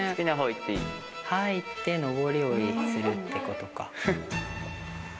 入って上り下りするってことか。